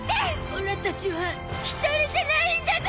オラたちは一人じゃないんだゾ！